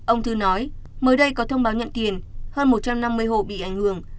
ông thư nói mới đây có thông báo nhận tiền hơn một trăm năm mươi hộ bị ảnh hưởng